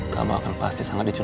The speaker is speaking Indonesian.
kamu akan pasti sangat dicuri